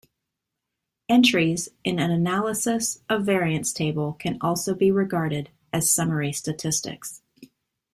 Entries in an analysis of variance table can also be regarded as summary statistics.